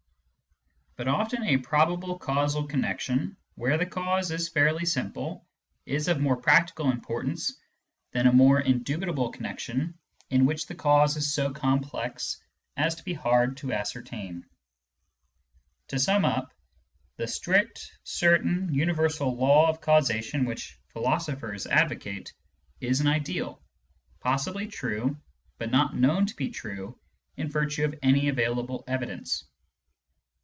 But often a probable causal connection, where the cause is fairly simple, is of more practical importance than a more indubitable con nection in which the cause is so complex as to be hard to ascertain. To sum up : the strict, certain, universal law of causa tion which philosophers advocate is an ideal, possibly true, but not known to be true in virtue of any avail Digitized by Google ON THE NOTION OF CAUSE 227 able evidence.